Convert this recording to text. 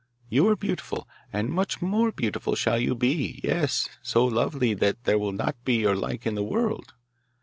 You are beautiful, and much more beautiful shall you be; yes, so lovely that there will not be your like in the world.